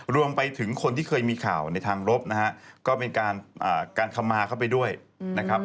รวมไปถึงคนที่เคยมีข่าวในทางรบนะฮะก็เป็นการคำมาเข้าไปด้วยนะครับ